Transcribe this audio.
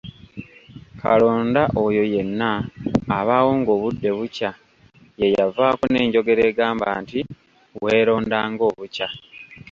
"Kalonda oyo yenna abaawo ng’obudde bukya yeeyavaako n’enjogera egamba nti, “weeronda ng’obukya!"